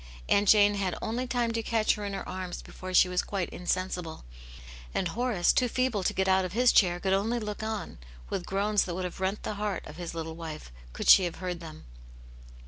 Aunt Jane had only time to catch her in her arms before she was quite insensible ; and Horace, too feeble to get out of his chair, could only look on, with groans that would have rent the heart of his little wife, could she have heard them.